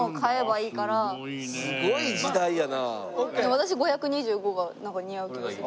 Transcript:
私５２５がなんか似合う気がする。